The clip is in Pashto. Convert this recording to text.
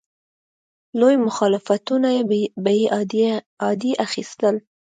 لوی مخالفتونه به یې عادي اخیستل.